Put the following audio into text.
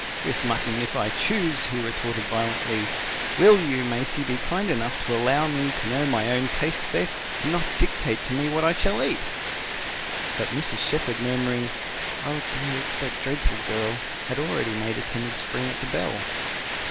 "With mutton if I choose!" he retorted violently. "WILL you, Maisie, be kind enough to allow me to know my own tastes best, and not dictate to me what I shall eat?" But Mrs. Shepherd, murmuring: "Oh dear! it's that dreadful girl," had already made a timid spring at the bell.